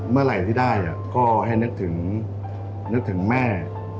เมื่อไหร่ที่ได้ก็ให้นึกถึงนึกถึงแม่